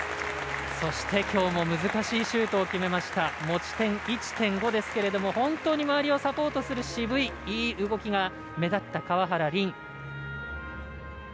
そしてきょうも難しいシュートを決めました持ち点１．５ですけれども本当に周りをサポートする渋いいい動きが目立った川原凜。